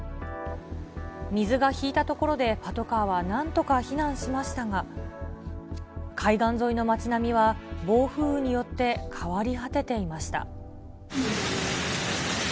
水が引いたところでパトカーはなんとか避難しましたが、海岸沿いの町並みは、暴風雨によって変わり果てていました。